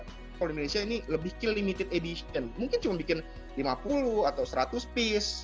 kalau di indonesia ini lebih kill limited edition mungkin cuma bikin lima puluh atau seratus piece